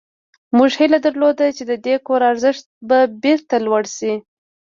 موږ هیله درلوده چې د دې کور ارزښت به بیرته لوړ شي